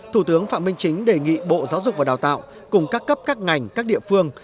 thủ tướng phạm minh chính đề nghị bộ giáo dục và đào tạo cùng các cấp các ngành các địa phương